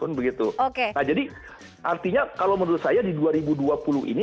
nah jadi artinya kalau menurut saya di dua ribu dua puluh ini